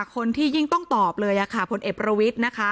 คนที่ยิ่งต้องตอบเลยค่ะผลเอกประวิทย์นะคะ